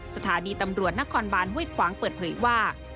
สถานีตำรวจนครบานห้วยขวางเปิดเผยว่า